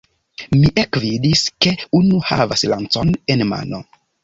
Mi ekvidis, ke unu havas lancon en mano.